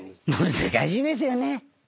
難しいですよね。